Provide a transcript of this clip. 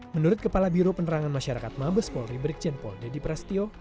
menurut kepala biro penerangan masyarakat mabes polri berikjen poldedi prastio